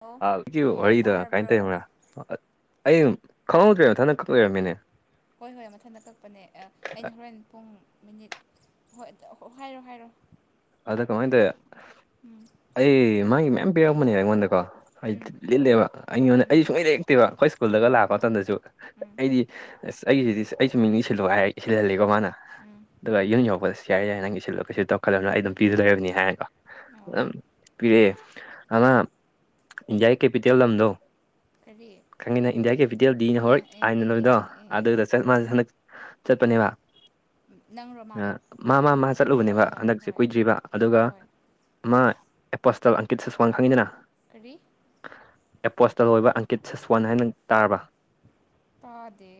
Hello ꯒꯤ ꯑ ꯋꯥꯔꯤꯗ ꯀꯥꯏꯅ ꯇꯥꯔꯕ꯭ꯔꯣ ꯇꯧꯕ꯭ꯔꯥ ꯑꯩ ꯈꯪꯍꯧꯗ꯭ꯔꯦ ꯃꯊꯟ ꯈ ꯂꯣꯏꯔꯝꯃꯤꯅꯦ ꯍꯣꯏ ꯍꯣꯏ ꯃꯊꯟꯇ ꯀꯛꯄꯅꯦ ꯑꯩꯅ ꯍꯣꯔꯦꯟ ꯄꯨꯡ ꯃꯤꯅꯤꯠ ꯍꯣꯏ ꯍꯥꯏꯔꯣ ꯍꯥꯏꯔꯣ ꯑꯗ ꯀꯃꯥꯏꯅ ꯇꯧꯋꯤ ꯎꯝ ꯑꯩ ꯃꯥꯒꯤ ꯃꯌꯥꯝ ꯄꯤꯔꯛꯝꯕꯅꯦ ꯑꯩꯉꯣꯟꯗꯀꯣ ꯑꯩ ꯎꯝ ꯂꯤꯜꯂꯦꯕ ꯑꯩꯉꯣꯟꯗ ꯑꯩꯗꯤ ꯁꯨꯡꯛ ꯎꯝ ꯂꯩ ꯌꯦꯛꯇꯦꯕ ꯑꯩꯈꯣꯏ ꯎꯝ ꯁ꯭ꯀꯨꯜꯗꯒ ꯂꯥꯛꯄ ꯃꯇꯝꯗꯁꯨ ꯎꯝ ꯑꯩꯗꯤ ꯑꯁ ꯑꯩꯒꯤꯁꯤꯗꯤ ꯑꯩꯁꯨ ꯃꯤꯡꯅꯤ ꯁꯤꯜꯂꯨ ꯍꯥꯏꯔ ꯁꯤꯜꯍꯜꯂꯤꯀꯣ ꯃꯥꯅ ꯎꯝ ꯑꯗꯨꯒ ꯌꯨꯝ ꯌꯣꯛꯄꯗꯁꯨ ꯌꯥꯏ ꯌꯥꯏ ꯅꯪ ꯏꯁꯜꯂ ꯀꯩꯁꯨꯧꯈꯠꯂꯕꯅꯤꯅ ꯑꯗꯨꯝ ꯄꯤꯖꯗꯣꯏꯔꯤꯕꯅꯤ ꯍꯥꯏꯀꯣ ꯑꯣ ꯑꯗꯨꯝ ꯄꯤꯔꯛꯑꯦ ꯑꯗꯨꯅ ꯏꯟꯗꯤꯌꯥꯒꯤ ꯀꯦꯄꯤꯇꯦꯜ ꯂꯝꯗꯣ ꯀꯔꯤ ꯈꯪꯉꯤꯅ ꯏꯟꯗꯤꯌꯥ ꯀꯦꯄꯤꯇꯦꯜ ꯗꯤꯅ ꯑꯦ ꯍꯣꯔꯣꯏ ꯑꯦ ꯑꯥꯏꯅ ꯑꯦ ꯑꯦ ꯂꯣꯏꯗꯣ ꯑꯦ ꯑꯦ ꯑꯦ ꯑꯦ ꯑꯗꯨꯗ ꯆꯠ ꯃꯦ ꯍꯟꯗꯛ ꯆꯠꯄꯅꯦꯕ ꯅꯪꯔꯣ ꯃꯥꯔꯣ ꯃꯥ ꯃꯥ ꯃꯥ ꯍꯣꯏ ꯆꯠꯂꯨꯕꯅꯦꯕ ꯍꯣꯏ ꯍꯟꯗꯛꯁꯦ ꯍꯣꯏ ꯀꯨꯏꯗ꯭ꯔꯤꯕ ꯑꯗꯨꯒ ꯍꯣꯏ ꯃꯥ ꯑꯦꯄꯣꯁꯇꯜ ꯑꯪꯀꯤꯠ ꯁꯁꯋꯥꯟ ꯈꯪꯉꯤꯗꯅ ꯀꯔꯤ ꯑꯦꯄꯣꯁꯇꯜ ꯑꯣꯏꯕ ꯑꯪꯀꯤꯠ ꯁꯁꯋꯥꯟ ꯍꯥꯏꯅ ꯇꯥꯔꯕ ꯇꯥꯗꯦ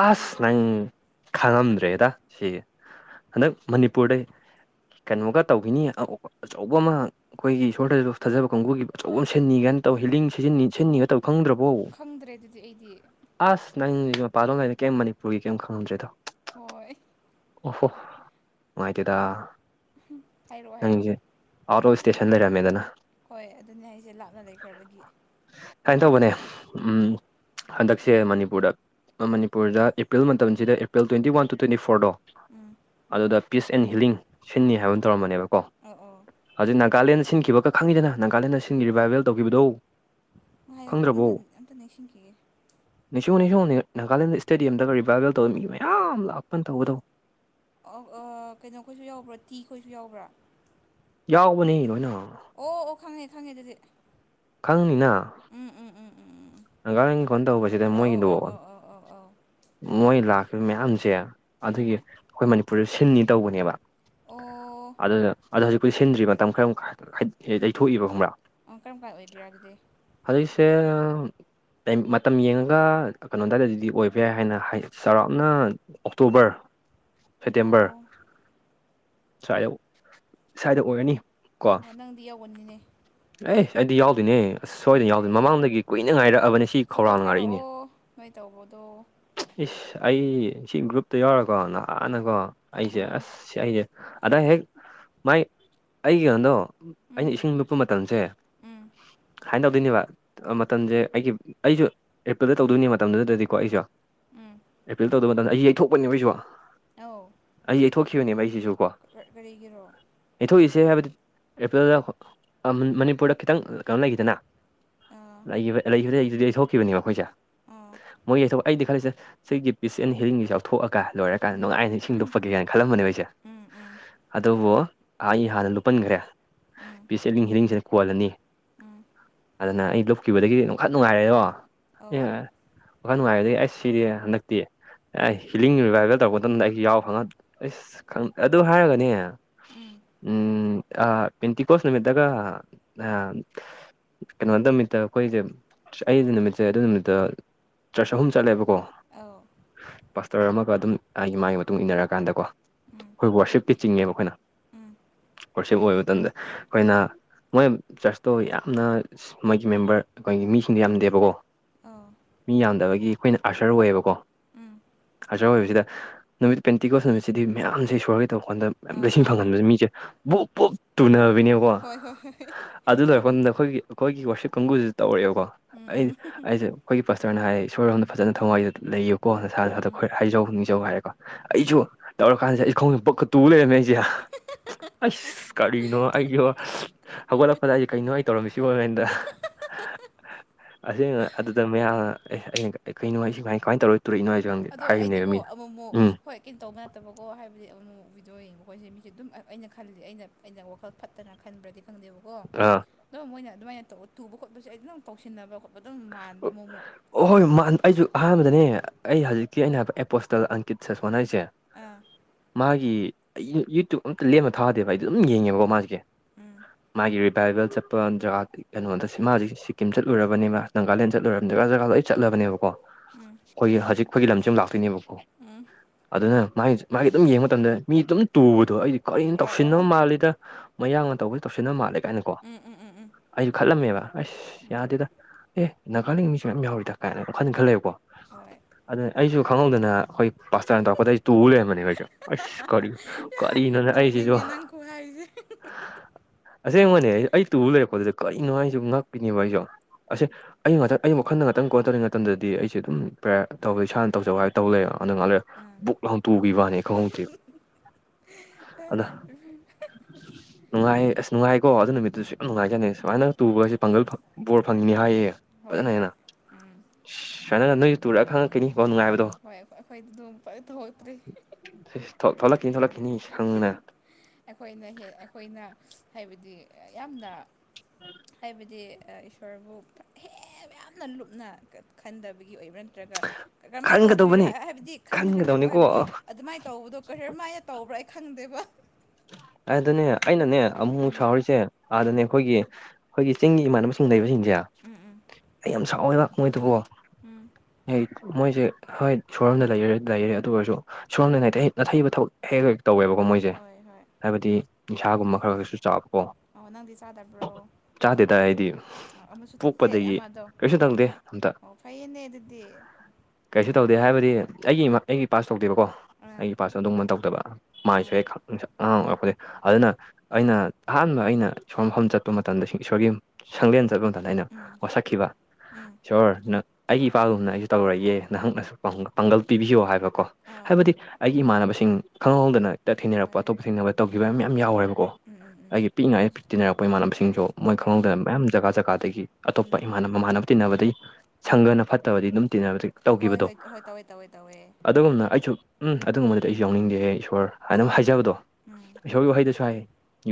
ꯀꯔꯤ ꯑꯁ ꯑꯣꯏ ꯅꯪ ꯈꯥꯡꯉꯝꯗ꯭ꯔꯦꯗ ꯁꯤ ꯍꯟꯗꯛ ꯃꯅꯤꯄꯨꯔꯗꯩ ꯀꯩꯅꯣꯒ ꯇꯧꯕꯤꯅꯤ ꯑꯆꯧꯕ ꯑꯃ ꯑꯩꯈꯣꯏꯒꯤ ꯏꯁꯣꯔꯗꯁꯨ ꯐꯥꯖꯕ ꯀꯥꯡꯕꯨꯒꯤ ꯑꯆꯧꯕ ꯑꯃ ꯁꯤꯅꯤ ꯀꯥꯏꯅ ꯇꯧ ꯍꯤꯂꯤꯡ ꯁꯤꯖꯤꯟꯅꯅꯤ ꯑꯣ ꯁꯤꯟꯅꯤꯒ ꯇꯧ ꯈꯪꯗ꯭ꯔꯕꯣ ꯈꯪꯗ꯭ꯔꯦ ꯑꯗꯨꯗꯤ ꯑꯩꯗꯤ ꯑꯁ ꯅꯪꯒꯤ ꯃꯄꯗꯣꯝ ꯂꯩꯩꯅꯅꯤ ꯀꯩ ꯃꯅꯤꯄꯨꯔꯒꯤ ꯀꯩꯝ ꯈꯪꯉꯝꯗ꯭ꯔꯦꯗꯣ ꯍꯣꯏ ꯑꯣ ꯍꯣ ꯅꯨꯡꯉꯥꯏꯇꯦꯗ ꯍꯥꯏꯔꯣꯑꯣ ꯍꯥꯏꯔꯣꯑꯣ ꯑꯔꯣ ꯏꯁꯇꯦꯁꯟ ꯂꯩꯔꯃꯦꯗꯅ ꯍꯣꯏ ꯑꯗꯨꯅꯤ ꯑꯩꯁꯦ ꯂꯥꯞꯅ ꯂꯩꯈ꯭ꯔꯕꯒꯤ ꯁꯨꯃꯥꯏꯅ ꯀꯝ ꯇꯧꯕꯅꯦ ꯈꯪꯗ꯭ꯔꯦ ꯎꯝ ꯍꯟꯗꯛꯁꯦ ꯃꯅꯤꯄꯨꯔꯗ ꯃꯅꯤꯄꯨꯔꯗ ꯑꯦꯄ꯭ꯔꯤꯜ ꯃꯇꯝꯁꯤꯗ April twenty one two twenty ꯐꯣꯔꯗꯣ ꯎꯝ ꯑꯗꯨꯗ ꯄꯤꯁ ꯑꯦꯟ ꯍꯤꯂꯤꯡ ꯁꯤꯟꯅꯤ ꯍꯥꯏꯕ ꯑꯃ ꯇꯧꯔꯝꯕꯅꯦꯕꯀꯣ ꯑꯣ ꯑꯣ ꯍꯧꯖꯤꯛ ꯅꯥꯒꯥꯂꯦꯟꯗ ꯁꯤꯟꯈꯤꯕꯒ ꯈꯪꯉꯗꯅ ꯅꯥꯒꯥꯂꯦꯟꯗ ꯑꯁꯤꯟ ꯔꯤꯚꯥꯏꯚꯦꯜ ꯇꯧꯈꯤꯕꯗꯣ ꯍꯥꯏꯌꯣꯀꯣ ꯑꯝꯇ ꯑꯝꯇ ꯅꯤꯡꯁꯤꯡꯈꯤꯒꯦ ꯅꯤꯡꯅꯤꯁꯤꯡ ꯅꯤꯁꯤꯡ ꯅꯥꯒꯥꯂꯦꯟꯗ ꯏꯁꯇꯦꯗꯤꯌꯝꯗꯒ ꯔꯤꯚꯥꯏꯕꯦꯜ ꯇꯧꯕ ꯃꯤ ꯃꯌꯥꯝ ꯂꯥꯛꯄꯅ ꯇꯧꯒꯗꯧꯕ ꯀꯩꯅꯣꯈꯣꯏꯁꯨ ꯌꯥꯎꯕ꯭ꯔꯥ ꯇꯤ ꯈꯣꯏꯁꯨ ꯌꯥꯎꯕ꯭ꯔꯥ ꯌꯥꯎꯕꯅꯤ ꯂꯣꯏꯅ ꯑꯣ ꯑꯣ ꯈꯪꯉꯦ ꯈꯪꯉꯦ ꯑꯗꯨꯗꯤ ꯈꯪꯅꯤꯅ ꯎꯝ ꯎꯝ ꯎꯝ ꯎꯝ ꯎꯝ ꯅꯒꯥꯥꯡ ꯀꯣꯟ ꯇꯧꯕꯁꯤꯗ ꯑꯧ ꯑꯧ ꯃꯣꯏꯒꯤꯗꯑꯣ ꯑꯧ ꯑꯧ ꯑꯧ ꯑꯧ ꯑꯧ ꯃꯣꯏ ꯂꯥꯛꯈꯤꯕ ꯃꯌꯥꯝꯁꯦ ꯎꯝ ꯑꯗꯨꯒꯤ ꯑꯩꯈꯣꯏ ꯃꯅꯤꯄꯨꯔꯗ ꯁꯤꯟꯅꯤ ꯇꯧꯕꯅꯦꯕ ꯑꯣ ꯑꯗꯨꯅ ꯑꯗꯨꯗꯣ ꯍꯧꯖꯤꯛꯄꯨꯗꯤ ꯁꯤꯟꯗ꯭ꯔꯤ ꯃꯇꯝ ꯈꯔ ꯌꯩꯊꯣꯛꯏꯕ ꯈꯪꯕ꯭ꯔꯥ ꯑ ꯀꯔꯝ ꯀꯥꯏ ꯑꯣꯏꯗꯣꯏꯔꯥ ꯑꯗꯨꯗꯤ ꯍꯧꯖꯤꯛꯁꯦ ꯃꯇꯝ ꯌꯦꯡꯉꯒ ꯀꯩꯅꯣ ꯑꯗꯨꯋꯥꯏꯗ ꯑꯗꯨꯗꯤ ꯑꯣꯏꯕ ꯌꯥꯏ ꯍꯥꯏꯅ ꯍꯥꯏ ꯆꯥꯎꯔꯥꯛꯅ ꯑꯣꯛꯇꯣꯕꯔ, ꯁꯦꯞꯇꯦꯝꯕꯔ ꯑꯣ ꯁ꯭ꯋꯥꯏꯗ ꯁ꯭ꯋꯥꯏꯗ ꯑꯣꯏꯒꯅꯤ ꯑꯣ ꯅꯪꯗꯤ ꯌꯧꯕꯅꯤꯅꯦ ꯑꯦ ꯑꯩꯗꯤ ꯌꯥꯎꯗꯣꯏꯅꯦ ꯑꯁ ꯁꯣꯏꯗꯅ ꯑꯗꯨꯅꯦ ꯌꯥꯎꯗꯅ ꯑꯩꯁꯦ ꯃꯃꯥꯡꯗꯒꯤ ꯀꯨꯏꯅ ꯉꯥꯏꯔꯛꯑꯕꯅꯤ ꯁꯤ ꯐꯣꯇꯣ ꯈꯧꯔꯥꯡꯅ ꯉꯥꯏꯔꯛꯏꯅꯦ꯫ ꯊꯥꯔꯛꯑꯣ ꯅꯣꯏ ꯇꯧꯕꯗꯣ ꯏꯁ ꯑꯩ ꯁꯤ ꯒ꯭ꯔꯨꯞꯇ ꯌꯥꯎꯔꯀꯣ ꯅꯍꯥꯟꯅꯀꯣ ꯑꯩꯁꯦ ꯎꯝ ꯑꯁ ꯑꯩꯁꯦ ꯑꯗ ꯍꯦꯛ ꯃꯥꯏ [unintelligible] ꯅꯣꯗꯣ ꯑꯩꯅ ꯎꯝ ꯏꯁꯤꯡ ꯂꯨꯞꯄ ꯃꯇꯝꯁꯦ ꯎꯝ ꯍꯥꯏꯅ ꯇꯧꯗꯣꯏꯅꯦꯕ ꯃꯇꯝꯁꯦ ꯑꯩꯒꯤ ꯑꯩꯁꯨ ꯑꯦꯄ꯭ꯔꯤꯜꯗ ꯇꯧꯗꯣꯏꯅꯤ ꯃꯇꯝꯗꯨꯗꯗꯤꯀꯣ ꯑꯩꯁꯨ ꯎꯝ ꯑꯦꯄꯤꯜ ꯇꯧꯗꯧꯕ ꯃꯇꯝꯗ ꯑꯩ ꯌꯩꯊꯣꯛꯄꯅꯤ ꯃꯣꯏꯁꯨ꯫ ꯑ [unintelligible] ꯑꯩ ꯌꯩꯊꯣꯛꯈꯤꯕꯅꯦꯕ ꯑꯩꯁꯤꯁꯨ ꯀꯣ ꯀꯔꯤꯒꯤꯔꯣ ꯌꯩꯊꯣꯛꯏꯁꯦ ꯍꯥꯏꯕꯗꯤ ꯑꯦꯄ꯭ꯔꯤꯜꯗ ꯃꯅꯤꯄꯨꯔꯗ ꯈꯤꯇꯪ ꯀꯩꯅꯣ ꯂꯩꯈꯤꯗꯅ ꯑꯥ ꯂꯩ ꯌꯩꯊꯣꯛꯈꯤꯕꯅꯦꯕ ꯃꯈꯣꯏꯁꯦ ꯑꯥ ꯃꯣꯏ ꯌꯊꯣꯛ ꯑꯩꯗꯤ ꯈꯜꯂꯤꯁꯦ꯫ ꯁꯤꯒꯤ ꯄꯤꯁ ꯑꯦꯟ ꯍꯤꯂꯤꯡꯁꯤꯦ ꯆꯥꯎꯊꯣꯛꯑꯒ ꯂꯣꯏꯔꯀꯥꯟꯗ ꯎꯝ ꯅꯨꯡꯉꯥꯏꯅ ꯏꯁꯤꯡ ꯂꯨꯞꯄꯒꯦ ꯀꯥꯏꯅ ꯈꯜꯂꯝꯕꯅꯦ ꯑꯩꯁꯦ ꯎꯝ ꯎꯝ ꯑꯗꯨꯕꯨ ꯑꯩ ꯍꯥꯟꯅ ꯂꯨꯄꯟꯈ꯭ꯔꯦ꯫ ꯎꯝ ꯄꯤꯁꯦꯠꯂꯤꯡ ꯍꯂꯤꯡꯁꯤꯅ ꯀꯣꯜꯂꯅꯤ ꯎꯝ ꯑꯗꯨꯅ ꯑꯩ ꯂꯨꯞꯈꯤꯕꯗꯒꯤꯗꯤ ꯑꯃꯈꯠ ꯅꯨꯡꯉꯥꯏꯔꯦꯔꯣ ꯑꯦ ꯑꯧ ꯋꯥꯈꯜ ꯅꯨꯡꯉꯥꯏꯔꯗꯤ ꯑꯩꯁ ꯁꯤꯗꯤ ꯍꯟꯗꯛꯇꯤ꯫ ꯑꯦ ꯍꯤꯂꯤꯡ ꯔꯤꯚꯥꯏꯚꯦꯜ ꯇꯧꯔꯛꯄ ꯃꯇꯝꯗ ꯑꯩꯁꯨ ꯌꯥꯎ ꯈꯪꯍꯁ ꯑꯗꯨ ꯍꯥꯏꯔꯒꯅꯦ ꯎꯝ ꯎꯝ ꯑ ꯄꯤꯇꯤ ꯀꯣꯁꯅ ꯅꯨꯃꯤꯠꯇꯒ [unintelligible] ꯀꯩꯅꯣ ꯇ ꯅꯨꯃꯤꯠꯇ ꯑꯈꯣꯏꯁꯦ ꯑꯩꯁꯦ ꯅꯨꯃꯤꯠꯁꯦ ꯑꯗꯨ ꯅꯨꯃꯤꯠꯇ ꯇ꯭ꯔꯁ ꯆꯍꯨꯝ ꯆꯠꯂꯦꯕꯀꯣ ꯑꯥꯎ ꯄꯥꯁꯇꯔ ꯑꯃꯒ ꯑꯗꯨꯝ ꯑꯩ ꯃꯥꯒꯤ ꯃꯇꯨꯡ ꯏꯟꯅꯔꯀꯥꯟꯗꯀꯣ꯫ ꯎꯝ ꯑꯈꯣꯏ ꯋꯥꯔꯁꯤꯞꯀꯤ ꯆꯤꯡꯉꯦꯕ ꯑꯈꯣꯏꯅ ꯎꯝ ꯋꯥꯔꯁꯤꯞ ꯑꯣꯏꯕ ꯃꯇꯝꯗ ꯑꯈꯣꯏꯅ ꯃꯣꯏ ꯆꯔꯁꯇꯣ ꯌꯥꯝꯅ ꯃꯣꯏꯒꯤ ꯃꯦꯝꯕꯔ ꯑꯈꯣꯏꯒꯤ ꯃꯤꯁꯤꯡꯗꯣ ꯌꯥꯝꯗꯦꯕꯀꯣ꯫ ꯑꯥ ꯃꯤ ꯌꯥꯝꯗꯕꯒꯤ ꯑꯈꯣꯏꯅ ꯑꯥꯔꯁꯔ ꯑꯣꯏꯌꯦꯕꯀꯣ꯫ ꯎꯝ ꯑꯥꯔꯆꯔ ꯑꯣꯏꯕꯁꯤꯗ ꯅꯨꯃꯤꯠ ꯄꯦꯟꯇꯤꯀꯣꯁ ꯅꯨꯃꯤꯠꯁꯤꯗꯤ ꯃꯌꯥꯝꯁꯦ ꯏꯁꯣꯔꯒꯤ ꯇꯧꯀꯥꯟꯗ ꯃꯌꯥꯝ ꯑꯥ ꯂꯩꯁꯤꯡ ꯑꯥ ꯑꯥ ꯐꯪꯍꯟꯕꯁ ꯃꯤꯁꯦ ꯕꯨꯛ ꯕꯨꯛ ꯇꯨꯅꯕꯅꯦꯕ ꯀꯣ ꯍꯣꯏ ꯍꯣꯏ ꯍꯣꯏ ꯑꯗꯨ ꯂꯣꯏꯔꯄꯗ ꯑꯈꯣꯏꯒꯤ ꯑꯈꯣꯏꯒꯤ ꯋꯥꯁꯤꯞ ꯀꯥꯡꯒꯨꯁꯦ ꯇꯧꯔꯛꯑꯦꯕꯀꯣ ꯎꯝ ꯑꯩ ꯎꯝ ꯑꯩꯁꯦ ꯑꯩꯈꯣꯏꯒꯤ ꯄꯥꯁꯇꯔꯅ ꯍꯥꯏꯌꯦ ꯏꯁꯣꯔꯣꯝꯗ ꯐꯖꯅ ꯊꯋꯥꯏꯗꯨꯗ ꯂꯩꯌꯦꯕꯀꯣ ꯅꯁꯥꯅꯥꯗ ꯎꯝ ꯈꯔ ꯍꯥꯏꯖꯧ ꯅꯤꯡꯖꯧ ꯍꯥꯏꯔꯀꯣ ꯎꯝ ꯑꯩꯁꯨ ꯇꯧꯔꯀꯥꯟꯗꯦ ꯑꯩꯁ ꯈꯣꯡ ꯄꯀ ꯇꯨꯕ ꯂꯩꯔꯝꯃꯦ ꯑꯩꯁꯦ ꯑꯩꯁ [unintelligible] ꯀꯔꯤꯅꯣ ꯑꯩꯒꯣ ꯍꯧꯒꯠꯂꯛꯄꯗ ꯑꯩꯁꯦ ꯀꯩꯅꯣ ꯑꯩ ꯇꯧꯔꯝꯃꯤꯁꯤ ꯑꯣꯃꯦꯟꯗ ꯑꯁꯦꯡꯅ ꯑꯗꯨꯗ ꯃꯌꯥꯝ ꯑꯦ ꯑꯩꯅ ꯀꯩꯅꯣ ꯍꯥꯏꯃꯥꯏ ꯀꯃꯥꯏꯅ ꯇꯧꯔ ꯇꯨꯔꯛꯏꯅꯣ ꯍꯥꯏꯁꯦ ꯑꯗꯣ ꯑꯩꯗꯤꯀꯣ ꯑꯃꯨꯛꯃꯨꯛ ꯍꯣꯏ ꯀꯦꯟ ꯇꯧꯕ ꯅꯠꯇꯕꯀꯣ ꯍꯥꯏꯕꯗꯤ ꯑꯃꯨꯛ ꯕꯤꯗꯤꯑꯣ ꯌꯦꯡꯕ ꯑꯩꯈꯣꯏꯁꯦ ꯃꯤꯁꯦ ꯑꯗꯨꯝ ꯑꯩꯅ ꯈꯜꯂꯤ ꯑꯩꯅ ꯑꯩꯅ ꯋꯥꯈꯜ ꯐꯠ ꯇꯅꯥ ꯈꯟꯕ꯭ꯔꯗꯤ ꯈꯪꯗꯦꯕ ꯑꯣꯣ ꯑꯥ ꯑꯗꯣ ꯃꯣꯏꯅ ꯑꯗꯨꯃꯥꯏꯅ ꯇꯧ ꯇꯨꯕ ꯈꯣꯠꯄꯁꯦ ꯑꯩ ꯑꯗꯨꯝ ꯇꯧꯁꯤꯟꯅꯕ ꯈꯣꯠꯄ ꯑꯗꯨꯝ ꯃꯥꯟꯕ ꯃꯣꯏꯕꯨ ꯑꯣꯍꯣꯏ ꯃꯥꯟ ꯑꯩꯁꯨ ꯑꯍꯥꯟꯕꯗꯅꯦ ꯑꯩ ꯍꯧꯖꯤꯛꯀꯤ ꯑꯩꯅ ꯍꯥꯏꯕ ꯑꯦꯄꯣꯁꯇꯜ ꯑꯪꯀꯤꯠ ꯁꯥꯁꯣꯟ ꯍꯥꯏꯁꯦ ꯑꯥ ꯃꯥꯒꯤ ꯑꯩ ꯌꯨꯇ꯭ꯌꯕ ꯑꯝꯇ ꯂꯦꯝꯃ ꯊꯥꯗꯦꯕ ꯍꯥꯏ ꯑꯩꯗꯤ ꯑꯗꯨꯝ ꯌꯦꯡꯉꯦꯕꯀꯣ ꯃꯥꯁꯤꯒꯦ ꯎꯝ ꯃꯥꯒꯤ ꯔꯤꯚꯥꯏꯕꯦꯜ ꯆꯠꯄ ꯖꯒꯥ ꯀꯩꯅꯣꯗ ꯃꯥ ꯍꯧꯖꯤꯛ ꯁꯤꯀꯤꯝ ꯆꯠꯂꯨꯔꯕꯅꯦ ꯃꯥ ꯅꯥꯒꯥꯂꯦꯟ ꯆꯠꯂꯣꯏꯔꯕ ꯖꯒꯥ ꯖꯒꯥꯗ ꯂꯣꯏ ꯆꯠꯂꯕꯅꯦꯕꯀꯣ ꯎꯝ ꯑꯩꯈꯣꯏꯒꯤ ꯍꯧꯖꯤꯛꯐꯥꯎꯒꯤ ꯂꯝꯁꯤ ꯑꯃ ꯂꯥꯛꯇꯣꯏꯅꯦꯕꯀꯣ ꯎꯝ ꯑꯗꯨꯅ ꯃꯥꯒꯤ ꯃꯥꯒꯤ ꯑꯗꯨꯝ ꯌꯦꯡꯕ ꯃꯇꯝꯗ ꯃꯤ ꯑꯗꯨꯝ ꯇꯨꯕꯗꯣ ꯑꯩꯗꯤ ꯀꯔꯤꯅ ꯑꯥ ꯑꯥ ꯑꯥ ꯇꯧꯁꯤꯟꯅꯕ ꯃꯥꯜꯂꯤꯗ ꯃꯌꯥꯅ ꯇꯧꯕꯒ ꯇꯧꯁꯤꯟꯅ ꯃꯥꯜꯂꯦ ꯀꯥꯏꯅ ꯎꯝ ꯎꯝ ꯎꯝ ꯎꯝ ꯑꯩꯁꯨ ꯈꯜꯂꯝꯃꯦꯕ ꯑꯁ ꯎꯝ ꯌꯥꯗꯦꯗ ꯑꯦ ꯅꯥꯒꯥꯂꯦꯟꯒꯤ ꯃꯤꯁꯨ ꯃꯌꯥꯝ ꯌꯥꯎꯔꯤꯗ ꯀꯥꯏꯅ ꯋꯥ ꯈꯜ ꯈꯜꯂꯦꯕꯀꯣ ꯍꯣꯏ ꯑꯗꯨ ꯑꯩꯁꯨ ꯈꯪꯍꯧꯗꯅ ꯑꯩꯈꯣꯏ ꯄꯥꯁꯇꯥꯟ ꯇꯧꯔꯛꯄꯗ ꯑꯩ ꯇ ꯂꯩꯔꯝꯕꯅꯦꯈꯣꯏꯁꯨ ꯑꯁ ꯀꯔꯤ ꯀꯔꯤꯅꯣꯅꯦ ꯑꯩꯁꯤꯁꯨ ꯅꯣꯛꯅꯤꯡꯉꯦ ꯅꯪ ꯈꯨꯍꯥꯏꯁꯦ ꯑꯁꯦꯡꯕꯣꯟꯅꯦ ꯑꯩ ꯇꯨꯕ ꯂꯩꯔꯛꯄꯗꯨꯗ ꯀꯔꯤꯅꯣ ꯍꯥꯏ ꯑꯩꯁꯨ ꯉꯛꯄꯤꯅꯦꯕ ꯑꯩꯁꯨ ꯑꯁ ꯑꯩꯅ ꯉꯥꯛꯇꯪ ꯑꯩ ꯋꯥꯈꯜ ꯉꯥꯛꯇꯪ ꯀꯣ ꯇꯧꯔꯤꯉꯩ ꯃꯇꯝꯗꯗꯤ ꯑꯩꯦ ꯑꯗꯨꯝ ꯄ꯭ꯔꯦꯌꯔ ꯇꯧꯒ ꯏꯁꯥꯅ ꯇꯧꯖꯧ ꯍꯥꯏꯕ ꯇꯧ ꯂꯩꯔꯕ ꯑꯗꯨꯅ ꯉꯥꯏꯥꯛ ꯂꯩꯔꯦ ꯑꯥ ꯕꯨꯛ ꯇꯨꯒꯤ ꯋꯥꯅꯦ ꯈꯍꯗꯦ [unintelligible] ꯑꯗ [inaudible] ꯅꯨꯡꯉꯥꯏ ꯑꯁ ꯅꯨꯡꯉꯥꯏꯀꯣ ꯑꯗꯨ ꯅꯨꯃꯤꯠꯇꯨꯁꯨ ꯌꯥꯝ ꯅꯨꯡꯉꯥꯏꯖꯅꯤ ꯁꯨꯃꯥꯏꯅ ꯎꯝ ꯇꯨꯕꯒꯁꯦ ꯄꯥꯡꯒꯜ ꯕꯣꯔ ꯐꯪꯉꯅꯤ ꯍꯥꯏꯌꯦ ꯍꯣꯏ ꯐꯖꯅ ꯍꯣꯏ ꯍꯦꯟꯅ ꯎꯝ ꯁꯨꯃꯥꯏꯅ ꯅꯣꯏ ꯇꯨꯔꯛꯒ ꯈꯪꯉꯛꯅꯤꯕꯥꯎ ꯅꯨꯡꯉꯥꯏꯕꯗꯣ ꯍꯣꯏꯣꯏ ꯑꯩꯈꯣꯏꯗꯤ ꯑꯗꯨꯝ ꯐ ꯊꯣꯛꯛꯇ꯭ꯦ ꯊꯣꯛꯂꯛꯈꯤꯅꯤ ꯊꯣꯛꯂꯛꯈꯤꯅꯤ ꯁꯪꯅ ꯑꯩꯈꯣꯏꯅ ꯍ ꯑꯩꯈꯣꯏꯅ ꯍꯥꯏꯕꯗꯤ ꯌꯥꯝꯅ ꯍꯥꯏꯕꯗꯤ ꯏꯁꯣꯔꯕꯨ ꯌꯥꯝꯅ ꯂꯨꯞꯅ ꯈꯟꯗꯕꯒꯤ ꯑꯣꯏꯕ꯭ꯔꯥ ꯅꯠꯇ꯭ꯔꯒ ꯀꯃꯥꯏꯅ ꯇꯧꯕꯤꯔꯥ ꯈꯟꯒꯗꯧꯕꯅꯤ ꯍꯥꯏꯕꯗꯤ ꯈꯟꯅ ꯈꯅꯤꯐ ꯈꯟꯒꯗꯧꯅꯤꯀꯣ ꯍꯥꯏꯕꯗꯤ ꯑꯗꯨꯃꯥꯏꯅ ꯇ ꯇꯧꯕꯗꯣ ꯀꯔꯔ ꯃꯥꯥꯏꯅ ꯇꯧꯕ꯭ꯔꯥ ꯑꯩ ꯈꯪꯗꯦꯕ ꯑꯗꯨꯗꯅꯦ ꯑꯩꯅꯅꯦ ꯑꯃꯨꯛ ꯑꯃꯨꯛ ꯎꯝ ꯁꯥꯎꯍꯔꯤꯁꯦ ꯑꯥꯗꯅꯦ ꯎꯝ ꯑꯩꯈꯣꯏꯒꯤ ꯑꯩꯈꯣꯏꯒꯤ ꯆꯤꯡꯒꯤ ꯏꯃꯥꯟꯅꯕꯁꯤꯡ ꯂꯩꯕꯁꯤꯡꯁꯦ ꯎꯝ ꯎꯝ ꯑꯩ ꯌꯥꯝ ꯁꯥꯎꯋꯦꯕ ꯃꯣꯏꯗꯨꯕꯣ ꯎꯝ ꯃꯣꯏꯁꯦ ꯍꯣꯏ ꯁꯣꯔꯣꯨꯝꯗ ꯂꯩ ꯂꯩꯔꯦ ꯑꯗꯨ ꯑꯣꯏꯔꯁꯨ ꯁꯣꯝꯗ ꯅꯥꯅꯥꯊꯩꯕ ꯊꯛ ꯍꯦꯛ ꯂꯣꯏ ꯇꯧꯋꯕꯀꯣ ꯃꯣꯏꯁꯦ ꯍꯣꯏ ꯍꯣꯏ ꯍꯥꯏꯕꯗꯤ ꯅꯤꯥꯒꯨꯝꯕ ꯈꯔ ꯈꯔꯁꯨ ꯆꯥꯕꯀꯣ ꯑꯣ ꯅꯪꯗꯤ ꯆꯥꯗꯕ꯭ꯔꯣ ꯆꯥꯗꯦꯗ ꯍꯥꯏꯗꯤ ꯑꯣ ꯑꯃꯁꯨ ꯊꯛꯇꯦ ꯑꯃꯗꯣ ꯑꯝꯇ ꯑꯣ ꯐꯩꯌꯦꯅꯦ ꯑꯗꯨꯗꯤ ꯀꯩꯁꯨ ꯇꯧꯗꯦ ꯍꯥꯏꯕꯗꯤ ꯑꯩꯒꯤ ꯏꯃꯥ ꯑꯩꯒꯤ ꯄꯥꯁ ꯇꯧꯗꯦꯕꯀꯣ ꯑꯥ ꯑꯩꯒꯤ ꯄꯥꯁ ꯑꯗꯨꯝꯕ ꯇꯧꯗꯕ ꯃꯥꯏꯁꯨ ꯑꯥ ꯍꯦꯛ ꯑꯉꯥꯡꯩ ꯑꯗꯨꯅ ꯑꯩꯅ ꯑꯍꯥꯟꯕ ꯑꯩꯅ ꯏꯁꯣꯔ ꯃꯐꯝ ꯆꯠꯄ ꯃꯇꯝꯗ ꯏꯁꯣꯔꯒꯤ ꯁꯪꯂꯦꯟ ꯆꯠꯂꯗꯅ ꯑꯩꯅ ꯎꯝ ꯋꯥꯁꯛꯈꯤꯕ ꯎꯝ ꯁꯣꯔ ꯅ ꯑꯩꯒꯤ ꯏꯄꯥꯒꯨꯝꯅ ꯑꯩꯁꯨ ꯇꯧꯔꯛꯏꯦ ꯅꯍꯥꯛꯅꯁꯨ ꯄꯥꯡꯒꯜ ꯄꯤꯕꯤꯌꯣ ꯍꯥꯏꯕ ꯀꯣ ꯑꯥꯎ ꯍꯥꯏꯕꯗꯤ ꯑꯩꯒꯤ ꯏꯃꯥꯟꯅꯕꯁꯤꯡ ꯈꯪꯍꯧꯍꯧꯗꯅ ꯍꯦꯛꯇ ꯊꯦꯡꯅꯔꯛꯄ ꯍꯣꯏ ꯄ ꯍꯣꯏ ꯑꯇꯣꯞꯄ ꯊꯦꯡꯅꯕ ꯇꯧꯈꯤꯕ ꯃꯌꯥꯝ ꯌꯥꯎꯔꯦꯕꯀꯣ ꯎꯝ ꯎꯝ ꯎꯝ ꯑꯩꯒꯤ ꯄꯤꯛꯅꯉꯥꯏ ꯇꯤꯟꯅꯔꯛꯄ ꯏꯃꯥꯟꯅꯕꯁꯤꯡꯁꯨ ꯃꯣꯏ ꯑꯧ ꯑꯧ ꯈꯪꯍꯧꯗꯅ ꯃꯌꯥꯝ ꯖꯒꯥ ꯖꯒꯥꯗꯒꯤ ꯎꯝ ꯑꯇꯣꯞꯄ ꯏꯃꯥꯟꯅꯕ ꯃꯃꯥꯟꯅꯕ ꯇꯤꯟꯅꯕꯗꯒꯤ ꯁꯪꯒꯅ ꯐꯠꯇꯕꯗꯤ ꯑꯗꯨꯝ ꯍꯣꯏ ꯇꯧꯈꯤꯕꯗꯣ ꯍꯣꯏ ꯍꯣꯏ ꯇꯧꯋꯦ ꯇꯧꯋꯦ ꯇꯧꯋꯦ ꯑꯗꯨꯒꯨꯝꯅ ꯑꯩꯁꯨ ꯎꯝ ꯑꯗꯨꯒꯨꯝꯕꯗꯤ ꯑꯩꯁꯨ ꯌꯥꯎꯅꯤꯡꯗꯦ ꯏꯁꯣꯔ ꯍꯥꯏꯅ ꯍꯥꯏ ꯍꯥꯏꯖꯕꯗꯣ ꯎꯝ ꯏꯁꯣꯔꯒꯤ ꯋꯥꯍꯩꯗꯁꯨ ꯍꯥꯏ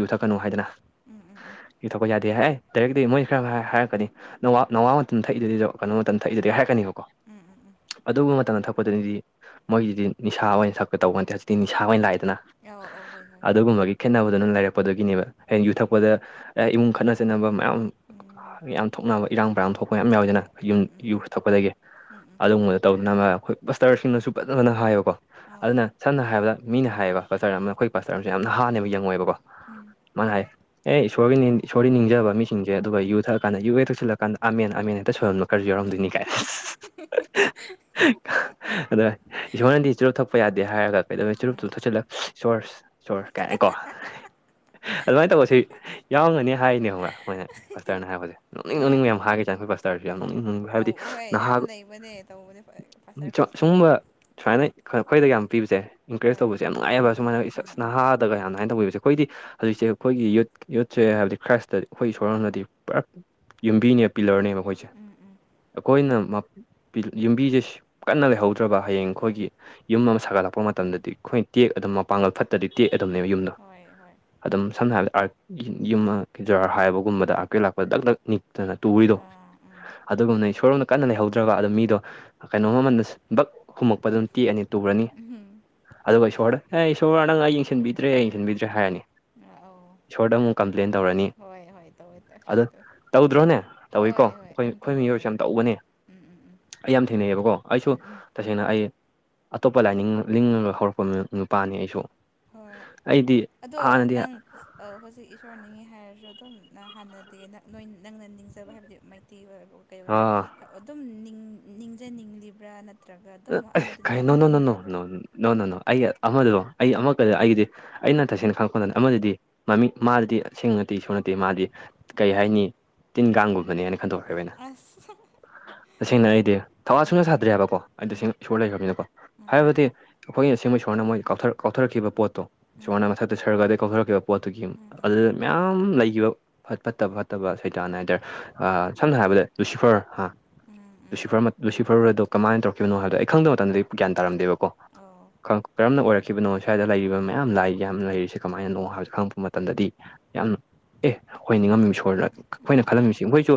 ꯌꯨ ꯊꯛꯀꯅꯨ ꯍꯥꯏꯗꯅ ꯎꯝ ꯎꯝ ꯌꯊꯣꯛꯄ ꯌꯥꯗꯦ ꯍꯥꯏ ꯗꯥꯏꯔꯛꯇꯤ ꯃꯣꯏꯁꯤ ꯈꯔ ꯍꯥꯏꯔꯛꯀꯅꯤ ꯅꯋꯥ ꯅꯋꯥ ꯃꯇꯝꯇ ꯊꯛꯏꯗꯨꯗꯤꯗ ꯀꯩꯅꯣ ꯃꯇꯝ ꯊꯛꯏꯗꯨꯗꯤ ꯍꯥꯏꯔꯛꯀꯅꯤꯕꯀꯣ ꯎꯝ ꯑꯗꯨꯒꯨꯝꯕ ꯃꯇꯝꯗ ꯊꯛꯄꯗꯨꯅꯤꯗꯤ ꯃꯣꯏꯒꯤꯗꯤ ꯅꯤꯁꯥ ꯑꯣꯏꯅ ꯁꯛꯄ ꯇꯧꯕꯠꯇꯦ ꯍꯧꯖꯤꯛꯇꯗꯤ ꯅꯤꯁꯥ ꯑꯣꯏꯅ ꯂꯥꯛꯏꯗꯅ ꯎꯝ ꯎꯝ ꯎꯝ ꯑꯧ ꯑꯧ ꯍꯣꯏ ꯍꯣꯏ ꯍꯣꯏ ꯑꯗꯨꯒꯨꯝꯕꯒꯤ ꯈꯦꯠꯅꯕꯗꯨꯅ ꯂꯩꯥꯏꯔꯛꯄꯗꯨꯗꯒꯤꯅꯦꯕ ꯍꯡ ꯎꯝ ꯌꯨꯊꯛꯄꯗ ꯏꯃꯨꯡ ꯈꯠꯅ ꯆꯩꯠꯅꯕ ꯃꯌꯥꯝ ꯎꯝ ꯌꯥꯝ ꯊꯣꯛꯅꯕ ꯏꯔꯥꯡ ꯄꯔꯥꯡ ꯊꯣꯛꯄ ꯃ ꯌꯥꯎꯋꯤꯗꯅ ꯎꯝ ꯌꯨꯝ ꯌꯨ ꯎꯝ ꯊꯣꯛꯛꯄꯗꯒꯤ ꯎꯝ ꯎꯝ ꯎꯝ ꯑꯗꯨꯒꯨꯝꯕꯗ ꯇꯧꯗꯅ ꯑꯩꯈꯣꯏ ꯕꯁꯇꯔꯁꯤꯡꯅꯁꯨ ꯐꯖ ꯐꯖꯅ ꯍꯥꯏꯌꯦꯕꯀꯣ ꯑꯧ ꯑꯗꯨꯅ ꯁꯝꯅ ꯍꯥꯏꯔꯕꯗ ꯃꯤꯅ ꯍꯥꯏꯌꯦꯕ ꯄꯆꯔ ꯑꯃꯅ ꯑꯩꯈꯣꯏ ꯄꯆꯔ ꯑꯃꯁꯨ ꯌꯥꯝꯅ ꯍꯥꯥꯟꯅꯦꯕ ꯌꯦꯪꯉꯣꯏꯕꯀꯣ ꯎꯝ ꯃꯉꯥꯏ ꯑꯦ ꯏꯁꯣꯔꯒꯤ ꯏꯁꯣꯔꯒꯤ ꯅꯤꯡꯖꯕ ꯃꯤꯁꯤꯡꯁꯦ ꯑꯗꯨꯒ ꯌꯨ ꯊꯛꯑꯀꯥꯟꯗ ꯌꯨ ꯍꯦꯛ ꯊꯛꯤꯜꯂꯀꯥꯟꯗ ꯑꯃꯦꯟ ꯑꯃꯦꯟ ꯍꯦꯛꯇ ꯁꯣꯏꯨꯔꯝꯂꯨ ꯀꯔꯁꯨ ꯌꯥꯎꯔꯝꯗꯣꯏꯅꯤ ꯀꯥꯏ [inaudible] ꯑꯗ ꯏꯁꯣꯔꯅꯗꯤ ꯆꯨꯔꯨꯞ ꯊꯛꯄ ꯌꯥꯗꯦ ꯍꯥꯏꯔꯒ ꯀꯩꯗꯧꯩ ꯎꯝ ꯆꯨꯔꯨꯞꯇꯨꯞ ꯊꯛꯤꯜꯂꯛꯦ ꯁꯣꯔ ꯁꯣꯔ ꯀꯥꯏꯀꯣ ꯑꯗꯨꯃꯥꯏꯅ ꯇꯧꯕ ꯁꯤ ꯌꯥꯎꯒꯅꯤ ꯍꯥꯏꯅꯦ ꯍꯣꯡꯕ꯭ꯔꯥ ꯃꯣꯏꯅ ꯐꯁꯇꯔꯅ ꯍꯥꯏꯕꯁꯦ ꯅꯣꯛꯅꯤꯡ ꯅꯣꯛꯅꯤꯡ ꯎꯝ ꯃꯌꯥꯝ ꯍꯥꯏꯔꯒꯦ ꯆꯈ ꯔꯁꯨ ꯌꯥꯝꯅꯤꯡ ꯍꯥꯏꯕꯗꯤ ꯑꯧ ꯑꯍꯣꯏ ꯅꯍꯥ ꯌꯥꯝ ꯂꯩꯕꯅꯦ ꯇꯧꯕꯅꯦ ꯄꯥꯁꯇꯔ ꯑꯩꯈꯣꯏꯁꯦ ꯑꯃꯨꯛ ꯁꯒꯨꯝꯕ ꯁꯨꯃꯥꯏꯅ ꯈꯈꯣꯏꯗ ꯌꯥꯝ ꯄꯤꯕꯁꯦ ꯏꯟꯀꯔꯦꯖ ꯍꯣꯏ ꯇꯧꯕꯁꯦ ꯌꯥꯝ ꯎꯝ ꯅꯨꯡꯉꯥꯏꯑꯕ ꯎꯝ ꯁꯨꯃꯥꯏꯅ ꯎꯝ ꯅꯍꯥꯗꯒꯅꯃꯥꯏꯅ ꯇꯧꯕꯤꯕꯁꯦ ꯑꯩꯈꯣꯏꯗꯤ ꯍꯧꯖꯤꯛꯁꯦ ꯑꯩꯈꯣꯏꯒꯤ ꯌꯨꯠ ꯌꯨꯠꯁꯦ ꯍꯥꯏꯕꯗꯤ ꯈ꯭ꯔꯥꯏꯁꯇꯗꯤ ꯑꯩꯈꯣꯏꯒꯤ ꯏꯁꯣꯔꯝꯅꯗꯤ ꯄꯨꯔꯥ ꯌꯨꯝꯕꯤꯅꯦ ꯄꯤꯂꯔꯅꯦꯕ ꯑꯩꯈꯣꯏꯁꯦ ꯎꯝ ꯎꯝ ꯎꯝ ꯑꯩꯈꯣꯏꯅ ꯌꯨꯝꯕꯤꯁꯦ ꯀꯟꯅ ꯂꯩꯍꯧꯗ꯭ꯔꯕ ꯍꯌꯦꯡ ꯎꯝ ꯑꯩꯈꯣꯏꯒꯤ ꯌꯨꯝ ꯑꯃ ꯁꯥꯒꯠꯂꯛꯄ ꯃꯇꯝꯗꯗꯤ ꯑꯩꯈꯣꯏ ꯇꯦꯛ ꯑꯗꯨꯝ ꯃꯄꯥꯡꯒꯜ ꯐꯠꯇꯗꯤ ꯇꯦꯛ ꯑꯗꯨꯝꯅꯦꯕ ꯌꯨꯝꯗ ꯍꯣꯏ ꯍꯣꯏ ꯑꯗꯨꯝ ꯁꯝꯅꯍꯜꯂꯦ ꯑꯥ ꯌꯨꯝ ꯀꯦꯖꯥꯔ ꯍꯥꯏꯕꯒꯨꯝꯕꯗ ꯑꯥꯀꯩ ꯂꯥꯛꯄꯗ ꯗꯛ ꯗꯛ ꯅꯤꯛꯇꯅ ꯇꯨꯔꯤꯗꯣ ꯑꯥ ꯎꯝ ꯑꯗꯨꯒꯨꯝꯅ ꯏꯁꯣꯔꯣꯝꯗ ꯀꯟꯅ ꯂꯩꯍꯧꯗ꯭ꯔꯒ ꯑ ꯃꯤꯗꯣ ꯀꯩꯅꯣ ꯃꯃꯜꯗ ꯕꯛ ꯍꯨꯝꯃꯛꯄ ꯑꯗꯨꯝ ꯇꯦꯛꯑꯅꯤ ꯇꯨꯔꯅꯤ ꯎꯝ ꯑꯗꯨꯒ ꯏꯁꯣꯔꯗ ꯑꯦ ꯏꯁꯣꯔ ꯅꯪ ꯑꯩ ꯌꯦꯡꯁꯤꯟꯕꯤꯗ꯭ꯔꯦ ꯌꯦꯡꯁꯤꯟꯕꯤꯗ꯭ꯔꯦ ꯍꯥꯏꯔꯅꯤ ꯑꯥꯎ ꯏꯁꯣꯔꯗ ꯑꯃꯨꯛ ꯀꯝꯄ꯭ꯂꯦꯟ ꯇꯧꯔꯅꯤ ꯇꯧꯋꯦ ꯇꯧꯋꯦ ꯑ ꯇꯧꯋꯦ ꯇꯧꯋꯦ ꯇꯧꯗ꯭ꯔꯣꯅꯦ ꯇꯧꯏꯀꯣ ꯍꯣꯏ ꯍꯣꯏ ꯑꯩꯈꯣꯏ ꯎꯝ ꯑꯩꯈꯣꯏ ꯇꯧꯋꯦ ꯃꯤꯑꯣꯏꯁꯨ ꯇꯧꯋꯦ ꯌꯥꯝ ꯇꯧꯕꯅꯦ ꯎꯝ ꯎꯝ ꯎꯝ ꯑꯩ ꯌꯥꯝ ꯊꯦꯡꯅꯩꯌꯦꯕꯀꯣ ꯑꯩꯁꯨ ꯎꯝ ꯎꯝ ꯇꯁꯦꯡꯅ ꯑꯩ ꯑꯇꯣꯞꯄ ꯂꯥꯏꯅꯤꯡ ꯂꯤꯡꯉꯒ ꯍꯧꯔꯛꯄ ꯅꯨꯄꯥꯅꯤ ꯑꯩꯁꯨ ꯍꯣꯏ ꯑꯩꯗꯤ ꯑꯗꯣ ꯍꯥꯟꯅꯗꯤ ꯑꯥ ꯅꯪ ꯍꯧꯖꯤꯛ ꯏꯁꯣꯔ ꯅꯤꯡꯉꯤ ꯍꯥꯏꯔꯁꯨ ꯑꯗꯨꯝ ꯍꯥꯟꯅꯗꯤ ꯅꯪꯅ ꯅꯤꯡꯖꯕ ꯍꯥꯏꯕꯗꯤ ꯃꯩꯇꯩꯒꯤ ꯑꯣꯏꯕ ꯀꯩ ꯑꯣꯏꯔꯦ ꯑꯗꯨꯝ ꯅꯤꯡꯖꯅꯤꯡꯂꯤꯕ꯭ꯔꯥ ꯅꯠꯇ꯭ꯔꯒ ꯑꯗꯨꯝ ꯑꯦ ꯑꯃꯗꯨꯗ ꯀꯩ ꯑꯗꯨꯝ ꯅꯣ ꯅꯣ ꯅꯣ ꯅꯣ ꯂꯨꯞꯅꯤꯡꯈ꯭ꯔꯕ꯭ꯔꯥ ꯅꯣ ꯅꯣ ꯅ ꯅꯣ ꯑꯩ ꯑꯃꯗꯣ ꯑꯩ ꯑꯃꯀꯗ ꯑꯩꯒꯤꯗꯤ ꯑꯩꯅ ꯇꯁꯦꯡꯅ ꯈꯪꯉꯛꯄꯗ ꯑꯃꯗꯗꯤ ꯃꯃꯤꯡ ꯃꯥꯗꯨꯗꯤꯁꯦꯡꯅꯠꯇꯦ ꯁꯨꯡ ꯅꯠꯇꯦ ꯃꯥꯗꯤ ꯀꯩ ꯎꯝ ꯍꯥꯏꯅꯤ ꯇꯤꯟ ꯀꯥꯡꯒꯨꯝꯕꯅꯦꯅ ꯈꯟꯗꯣꯛꯈ꯭ꯔꯦꯕꯩꯅ ꯑꯁ ꯇꯁꯦꯡꯅ ꯑꯩꯗꯤ ꯊꯋꯥ ꯁꯨꯡꯅ ꯎꯝ ꯁꯥꯗ꯭ꯔꯦ ꯍꯥꯏꯕꯀꯣ ꯑꯩ ꯎꯝ ꯇꯁꯦꯡꯅ ꯏꯁꯣꯔ ꯂꯩꯈ꯭ꯔꯅꯤꯅꯀꯣ ꯎꯝ ꯍꯥꯏꯕꯗꯤ ꯑꯩꯈꯣꯏꯒꯤ ꯑꯁꯕꯣꯏ ꯁꯣꯔꯅ ꯃꯣꯏ ꯀꯛ ꯀꯥꯎꯊꯔꯛꯈꯤꯕ ꯄꯣꯠꯇꯣ ꯎꯝ ꯁꯣꯔꯅ ꯃꯊꯛꯇ ꯁꯔꯒꯗꯒꯤ ꯀꯥꯎꯊꯔꯛꯈꯤꯕ ꯄꯣꯠꯇꯨꯒꯤ ꯎꯝ ꯎꯝ ꯑꯗꯨ ꯃꯌꯥꯝ ꯂꯩꯈꯤꯕ ꯐꯠꯇꯕ ꯐꯠꯇꯕ ꯁꯩꯗꯥꯅ ꯍꯥꯏꯇꯥꯔꯦ ꯑ ꯁꯝꯅ ꯍꯥꯏꯔꯕꯗ ꯂꯨꯁꯤꯐꯔ ꯍꯥ ꯎꯝ ꯎꯝ ꯎꯝ ꯂꯨꯁꯤꯐꯔ ꯂꯨꯁꯤꯐꯔ ꯑꯗꯣ ꯀꯃꯥꯏꯅ ꯇꯧꯔꯛ ꯀꯅꯣ ꯍꯥꯏꯕꯗꯣ ꯑꯩ ꯈꯪꯗꯕ ꯃꯇꯝꯗꯗꯤ ꯒꯌꯥꯟ ꯇꯥꯝꯗꯦꯕꯀꯣ ꯀꯔꯝꯅ ꯑꯣꯏꯔꯛꯈꯤꯕꯅꯣ ꯁ꯭ꯋꯥꯏꯗ ꯂꯩꯔꯤꯕ ꯃꯌꯥꯝ ꯂꯥꯏ ꯌꯥꯝꯅ ꯂꯩꯔꯤꯁꯦ ꯀꯃꯥꯏꯅꯣ ꯍꯥꯏꯕꯁꯦ ꯈꯪꯉꯛꯄ ꯃꯇꯝꯗꯗꯤ ꯌꯥꯝꯅ ꯑꯦ ꯑꯣꯏꯣꯏ ꯅꯤꯡꯉꯝꯃꯤꯕ ꯏꯁꯣꯔꯗ ꯑꯩꯈꯣꯏꯅ ꯈꯜꯂꯝꯃꯤꯁꯤ ꯑꯩꯈꯣꯏꯁꯨ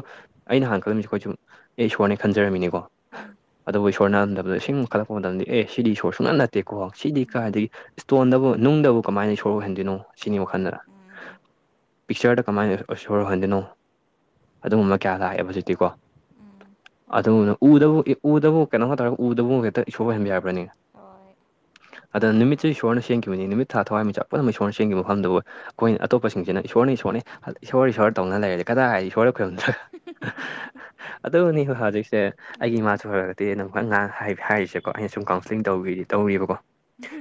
ꯑꯩꯅ ꯍꯥꯟꯅ ꯀꯜꯂꯝꯁꯦ ꯑꯩꯈꯣꯏꯁꯨꯨꯝ ꯑꯩ ꯏꯁꯣꯔꯅꯦ ꯈꯟꯖꯔꯝꯃꯤꯅꯤꯀꯣ ꯑꯗꯨꯕꯨ ꯏꯁꯣꯔꯅꯔꯝꯗꯕꯗ ꯏ ꯈꯜꯂꯛꯄ ꯃꯇꯝꯗꯤ ꯑꯦ ꯁꯤꯗꯤ ꯏꯁꯣꯔ ꯁꯨꯡꯛ ꯅꯠꯇꯦꯀꯣ ꯁꯤꯗꯤ ꯎꯝ ꯀꯥꯏꯗꯒꯤ ꯏꯁꯇꯣꯟꯗꯕꯨ ꯅꯨꯡꯗꯕꯨ ꯀꯃꯥꯏꯅ ꯁꯣꯔ ꯑꯣꯏꯍꯟꯗꯣꯏꯅꯣ ꯁꯤꯅꯤ ꯑꯣ ꯋꯥꯈꯟꯗꯅ ꯎꯝ ꯎꯝ ꯎꯝ ꯑꯣ ꯎꯝ ꯎꯝ ꯄꯤꯛꯆꯔꯗ ꯀꯃꯥꯏꯅ ꯁꯣꯔꯍꯟꯗꯣꯏꯅꯣ ꯑꯗꯨꯒꯨꯝꯕ ꯀꯌꯥ ꯂꯥꯛꯑꯦꯕ ꯍꯧꯖꯤꯛꯇꯤꯀꯣ ꯎꯝ ꯑꯗꯨꯒꯅ ꯎꯗꯕꯨ ꯎꯗꯕꯨ ꯀꯩꯅꯣ ꯇꯧꯇꯥꯔꯒ ꯎꯕꯕꯨ ꯍꯦꯛꯇ ꯏꯁꯣꯔ ꯑꯣꯏꯍꯟꯕꯤ ꯌꯥꯕ꯭ꯔꯅꯤꯅ ꯍꯣꯏ ꯑꯗ ꯅꯨꯃꯤꯠꯁꯤ ꯏꯁꯣꯔꯅ ꯁꯦꯡꯈꯤꯕꯅꯤ ꯅꯨꯃꯤꯠ ꯊꯥ ꯊꯋꯥꯏ ꯃꯆꯥ ꯄꯨꯝꯅꯃꯛ ꯏꯁꯣꯔꯅ ꯁꯦꯡꯈꯤꯕ ꯃꯐꯝꯗꯕꯨ ꯑꯩꯈꯣꯏꯅ ꯑꯇꯣꯞꯄꯁꯤꯡꯁꯤꯅ ꯏꯁꯣꯔꯅ ꯏꯁꯣꯔꯅꯦ ꯏꯁꯣꯔ ꯏꯁꯣꯔ ꯇꯧꯅ ꯂꯩꯔꯦ ꯀꯗꯥꯏ ꯍꯥꯏꯗꯤ ꯏꯁꯣꯔ ꯈꯣꯏꯔꯨꯝꯗ꯭ꯔꯦ ꯑꯗꯨꯅꯤ ꯍꯧꯖꯤꯛꯁꯦ ꯑꯩꯒꯤ ꯎꯝ ꯏꯃꯥꯁꯨ ꯍꯔꯦ ꯁꯤ [unintelligible] ꯍꯥꯏꯔꯤꯁꯦꯀꯣ ꯑꯩꯅ ꯁꯨꯝ ꯀꯥꯎꯟꯁꯂꯤꯡ ꯇꯧꯗꯤꯇꯧꯔꯤꯕꯀꯣ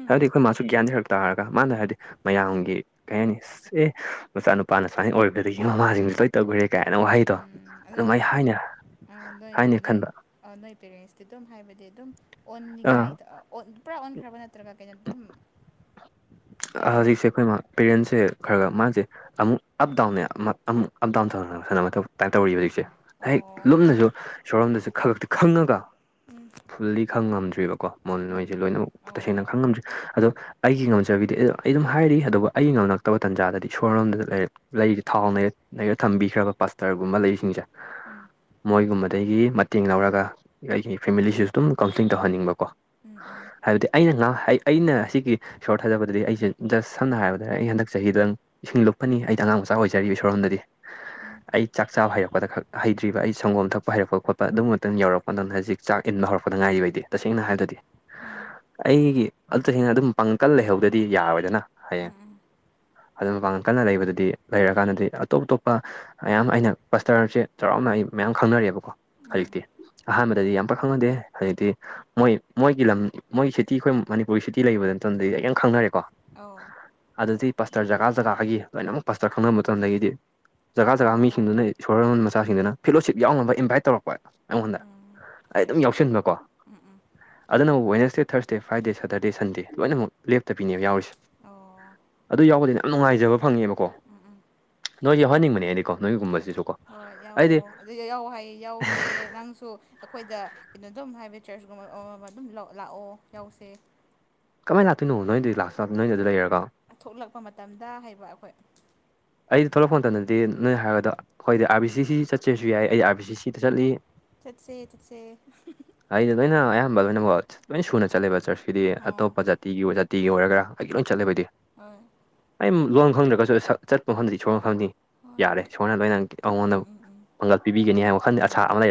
ꯍꯥꯏꯕꯗꯤ ꯑꯩꯈꯣꯏ ꯃꯥꯁꯨ ꯒ꯭ꯌꯥꯟ ꯊꯔꯛ ꯇꯥꯔꯒ ꯃꯥꯅ ꯍꯥꯏꯕꯗꯤ ꯃꯌꯥꯝꯒꯤ ꯀꯩ ꯍꯥꯏꯅꯤ ꯑꯁ ꯑꯦ ꯃꯆꯥꯅꯨꯄꯥꯅ ꯁꯨꯃꯥꯏꯅ ꯑꯣꯏꯕꯗꯒꯤ ꯃꯃꯥꯁꯤꯡꯁꯨ ꯂꯣꯏ ꯇꯧꯈꯨꯔꯦ ꯀꯥꯏꯅ ꯋꯥꯍꯩꯗꯣ ꯎ ꯑꯗꯨꯝ ꯑꯩ ꯍꯥꯏꯅ ꯑꯗꯣ ꯅꯣꯏ ꯍꯥꯏꯅ ꯈꯟꯕ ꯑꯗ ꯅꯣꯏ ꯄꯦꯔꯦꯟꯁꯇꯤ ꯑꯗꯨꯝ ꯍꯥꯏꯕꯗꯤ ꯑꯗꯨꯝ ꯑꯥ ꯑꯣꯟꯅꯤꯡꯉꯥꯏꯗ ꯑꯣꯟ ꯄꯨꯔꯥ ꯑꯣꯟꯈ꯭ꯔꯕ ꯅꯠꯇ꯭ꯔꯒ ꯀꯩꯅꯣꯇ ꯍꯧꯖꯤꯛꯁꯦ ꯑꯩꯈꯣꯏ ꯃꯥ ꯄꯦꯔꯦꯟꯁꯦ ꯈꯔ ꯈ ꯎꯝ ꯃꯥꯁꯦ ꯑꯃꯨꯛ ꯑꯞ ꯗꯥꯎꯟꯅꯦ ꯑꯃꯨꯛ ꯑꯞ ꯗꯥꯎꯟꯊꯧ ꯇꯥꯏ ꯇꯧꯔꯤꯕ ꯍꯧꯖꯤꯛꯁꯦ ꯍꯦꯛ ꯑꯣ ꯌꯨꯝꯅꯁꯨ ꯏꯁꯣꯔꯣꯝꯗꯁꯨ ꯈꯛꯇ ꯈꯪꯉꯒ ꯎꯝ ꯐꯨꯜꯂꯤ ꯈꯪꯉꯝꯗ꯭ꯔꯤꯕꯀꯣ ꯃꯣꯟ ꯎꯝ ꯅꯣꯏꯁꯦ ꯎꯝ ꯂꯣꯏꯅꯃꯛ ꯑꯣ ꯇꯁꯦꯡꯅ ꯈꯪꯉꯝꯗ꯭ꯔꯤ ꯑꯗꯣ ꯑꯩꯒꯤ ꯐꯖꯕꯤꯗꯤ ꯑꯩ ꯑꯗꯨꯝ ꯍꯥꯏꯔꯤ ꯑꯗꯨꯒ ꯑꯩ ꯉꯝꯂꯛꯇꯕ ꯇꯥꯟꯖꯥꯗꯗꯤ ꯏꯁꯣꯔ ꯂꯣꯝꯗ ꯂꯩꯔꯦ ꯂꯩꯁ ꯊꯥꯎ ꯂꯩ ꯂꯩꯒ ꯊꯝꯕꯤꯈ꯭ꯔꯕ ꯄꯁꯇꯔꯒꯨꯝꯕ ꯂꯩꯁꯤꯡꯁꯦ ꯎꯝ ꯃꯣꯏꯒꯨꯝꯕꯗꯒꯤ ꯃꯇꯦꯡ ꯂꯧꯔꯒ ꯑꯩꯒꯤ ꯐꯦꯃꯤꯂꯤꯁꯤꯁꯨ ꯑꯗꯨꯝ ꯀꯥꯎꯟꯁꯤꯂꯤꯡ ꯇꯧꯍꯟꯅꯤꯡꯕꯀꯣ ꯎꯝ ꯎꯝ ꯍꯥꯏꯕꯗꯤ ꯑꯩꯅ ꯉ ꯑꯩꯅ ꯁꯤ ꯁꯣꯔ ꯊꯥꯖꯕꯗꯗꯤ ꯑꯩꯁꯦꯖꯁ ꯁꯝꯅ ꯍꯥꯏꯔꯕꯗꯦ ꯑꯩ ꯍꯟꯗꯛ ꯆꯍꯤꯗꯣꯪ ꯏꯁꯤꯡ ꯂꯨꯞꯄꯅꯤ ꯑꯩꯗꯤ ꯑꯉꯥꯡ ꯃꯆꯥ ꯑꯣꯏꯖꯔꯤꯕ ꯁꯣꯔꯣꯝꯗꯗꯤ ꯎꯝ ꯎꯝ ꯑꯩ ꯆꯥꯛ ꯆꯥꯕ ꯍꯩꯔꯛꯄꯗ ꯈꯛ ꯍꯩꯇ꯭ꯔꯤꯕ ꯑꯩ ꯁꯪꯒꯣꯝ ꯊꯛꯄ ꯍꯩꯔꯛꯄ ꯈꯣꯠꯄ ꯑꯗꯨꯝꯕꯃꯛꯇꯪ ꯌꯥꯎꯔꯛꯄ ꯑꯗꯨꯅ ꯍꯧꯖꯤꯛ ꯆꯥꯛ ꯏꯟꯕ ꯍꯧꯔꯛꯄꯗ ꯉꯥꯏꯔꯤꯕꯩꯗꯤ ꯇꯁꯦꯡꯅ ꯍꯥꯏꯕꯗꯗꯤ ꯎꯝ ꯑꯩꯒꯤ ꯑꯁꯤꯡꯅ ꯑꯗꯨꯝ ꯄꯥꯡꯀꯜ ꯂꯩꯍꯧꯗꯗꯤ ꯌꯥꯔꯣꯏꯗꯅ ꯎꯝ ꯎꯝ ꯍꯌꯦꯡ ꯎꯝ ꯑꯗꯨ ꯃꯄꯥꯡꯒꯜ ꯀꯟꯅ ꯂꯩꯕꯗꯨꯗꯤ ꯂꯩꯔꯀꯥꯟꯗꯗꯤ ꯑꯇꯣꯞ ꯑꯇꯣꯞꯄ ꯃꯌꯥꯝ ꯑꯩꯅ ꯄꯥꯁꯇꯔꯁꯦ ꯆꯥꯎꯔꯥꯛꯅ ꯑꯩ ꯃꯌꯥꯝ ꯈꯪꯅꯔꯦꯕꯀꯣ ꯎꯝ ꯍꯧꯖꯤꯛꯇꯤ ꯑꯍꯥꯟꯕꯗꯗꯤ ꯍꯣꯏ ꯌꯥꯝ ꯄꯥꯛ ꯈꯪꯅꯗꯦ ꯍꯧꯖꯤꯛꯇꯤ ꯃꯣꯏ ꯃꯣꯏꯒꯤ ꯂꯝ ꯃꯣꯏ ꯁꯤꯇꯤ ꯑꯩꯈꯣꯏ ꯃꯅꯤꯄꯨꯔꯒꯤ ꯁꯤꯇꯤ ꯂꯩꯕꯗꯅ ꯇꯝꯗꯤ ꯑꯩ ꯌꯥꯝ꫰ꯈꯪꯅꯔꯦꯀꯣ ꯑꯣ ꯑꯗꯗꯤ ꯄꯁꯇꯔ ꯖꯒꯥ ꯖꯒꯥꯒꯤ ꯂꯣꯏꯅꯃꯛ ꯄꯁꯇꯔ ꯈꯪꯅꯕ ꯃꯇꯝꯗꯒꯤꯗꯤ ꯖꯒꯥ ꯖꯒꯥ ꯃꯤ ꯑꯣ ꯗꯨꯅ ꯏꯁꯣꯔꯣꯟ ꯃꯆꯥꯁꯤꯡꯗꯨꯅ ꯐꯦꯂꯣꯁꯤꯞ ꯌꯥꯎꯅꯕ ꯏꯟꯚꯥꯏꯠ ꯇꯧꯔꯛꯄ ꯑꯩꯉꯣꯟꯗ ꯎꯝ ꯑꯩ ꯑꯗꯨꯝ ꯌꯥꯎꯁꯟꯕꯀꯣ ꯎꯝ ꯎꯝ ꯑꯗꯨꯅꯕꯨ ꯋꯦꯅꯁꯗꯦ ꯊꯔꯁꯗꯦ ꯐ꯭ꯔꯥꯏꯗꯦ ꯁꯇꯔꯗꯦ ꯁꯟꯗꯦ ꯂꯣꯏꯅꯃꯛ ꯂꯦꯞꯇꯕꯤꯅꯦ ꯌꯥꯎꯔꯤꯁꯦ ꯑꯣ ꯑꯗꯨ ꯌꯥꯎꯕꯗꯗꯤꯅ ꯌꯥꯝ ꯅꯨꯡꯉꯥꯏꯖꯕ ꯐꯪꯉꯦꯕꯀꯣ ꯅꯣꯏꯁꯨ ꯌꯎꯍꯅꯤꯡꯕꯅꯦ ꯍꯥꯏꯗꯤꯀꯣ ꯅꯣꯏꯒꯤꯒꯨꯝꯕꯁꯤꯁꯨ ꯀꯣ ꯍꯣꯏ ꯑꯩꯗꯤ ꯌꯥꯎꯑꯣ ꯑꯗꯨ ꯌꯥꯎ ꯍꯥꯏꯌꯦ ꯌꯥꯎꯒꯦ ꯅꯪꯁꯨ ꯑꯩꯈꯣꯏꯗ ꯀꯩꯅꯣ ꯑꯗꯨꯝ ꯍꯥꯏꯕꯗꯤ ꯆꯔꯆꯀꯨꯝꯕ ꯑꯃ ꯑꯃ ꯑꯗꯨꯝ ꯂꯥꯛꯑꯣ ꯌꯥꯎꯁꯦ ꯀꯃꯥꯏꯅ ꯂꯥꯛꯇꯣꯏꯅꯣ ꯅꯣꯏꯗꯤ ꯂꯥꯛꯇ ꯅꯣꯏꯅ ꯑꯗꯨ ꯂꯩꯔꯒꯣ ꯊꯣꯛꯂꯛꯄ ꯃꯇꯝꯗ ꯍꯥꯏꯩꯕ ꯑꯩꯈꯣꯏ ꯑꯩꯗꯤ ꯊꯣꯛꯂꯛꯄ ꯃꯇꯝꯗꯗꯤ ꯅꯣꯏꯅ ꯍꯥꯏꯔꯒꯗ ꯍꯣꯏꯗꯤ ꯑꯥꯔ ꯕꯤ ꯁꯤ ꯁꯤ ꯆꯠꯆꯦꯁꯨ ꯌꯥꯏ ꯑꯩ ꯑꯥꯔ ꯕꯤ ꯁꯤ ꯁꯤꯗ ꯆꯠꯂꯤ ꯆꯠꯁꯦ ꯆꯠꯁꯦ ꯑꯩꯗꯤ ꯂꯣꯏꯅ ꯑꯌꯥꯝꯕ ꯂꯣꯏꯅꯃꯛ ꯂꯣꯏꯅ ꯁꯨꯅ ꯆꯠꯂꯦꯕ ꯆꯔꯆꯀꯤꯗꯤ ꯑꯥ ꯑꯇꯣꯞꯄ ꯖꯠ ꯇꯤꯒꯤ ꯖꯥꯤꯒꯤ ꯑꯣꯏꯔꯒꯔ ꯑꯩꯒꯤ ꯂꯣꯏ ꯆꯠꯦꯕꯩꯗꯤ ꯍꯣꯏ ꯑꯩ ꯃ ꯂꯣꯟ ꯈꯪꯗ꯭ꯔꯒꯁꯨ ꯁꯛ ꯆꯠꯄ ꯃꯐꯝꯗꯗꯤ ꯁꯨꯈꯪ ꯈꯪꯅꯤ ꯍꯣꯏ ꯌꯥꯔꯦ ꯍꯣꯏ ꯁꯣꯔꯅ ꯂꯣꯏꯅ ꯑꯩꯉꯣꯟꯗ ꯎꯝ ꯎꯝ ꯎꯝ ꯄꯥꯡꯒꯜ ꯄꯤꯕꯤꯒꯅꯤ ꯍꯥꯏꯕ ꯋꯥꯈꯜꯗ ꯎꯝ ꯑꯁꯥ ꯑꯃ ꯂꯩꯔꯦ